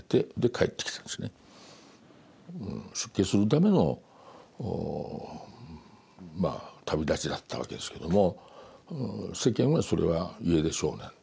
出家するための旅立ちだったわけですけども世間はそれは家出少年。